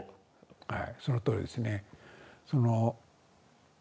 はいそのとおりですね。